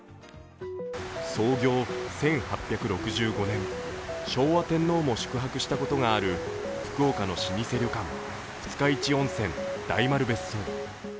創業１８６５年、昭和天皇も宿泊したことがある福岡の老舗旅館、二日市温泉大丸別荘。